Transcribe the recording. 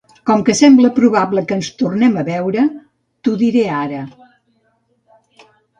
Com que sembla probable que ens tornem a veure, t'ho diré ara.